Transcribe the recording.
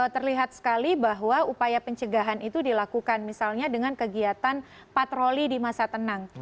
terlihat sekali bahwa upaya pencegahan itu dilakukan misalnya dengan kegiatan patroli di masa tenang